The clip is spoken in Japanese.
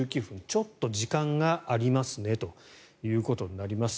ちょっと時間がありますねということになります。